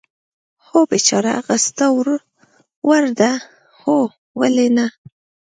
هو، بېچاره، هغه ستا وړ ده؟ هو، ولې نه.